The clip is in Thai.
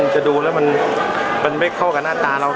จะดูแล้วมันไม่เข้ากับหน้าตาเรา